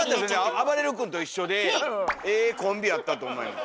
あばれる君と一緒でええコンビやったと思います。